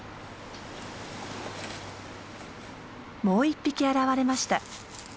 もう１匹現れました。